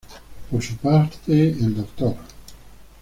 Por su parte, el Dr.